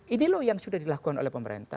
ini loh yang sudah dilakukan oleh pemerintah